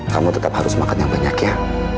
kamu tetap harus makan yang banyak ya